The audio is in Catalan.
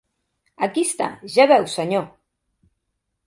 Aquí està, ja veu, senyor!